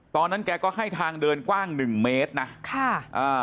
ตอนนั้นแกก็ให้ทางเดินกว้าง๑เมตรนะ